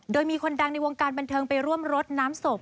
โดยมีคนดังในวงการบันเทิงไปร่วมรดน้ำศพ